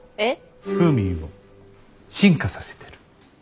フーミンを進化させてる。